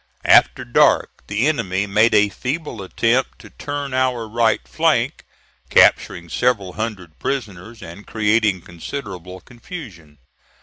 After dark, the enemy made a feeble attempt to turn our right flank, capturing several hundred prisoners and creating considerable confusion.